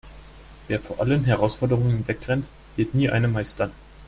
Wer vor allen Herausforderungen wegrennt, wird nie eine meistern.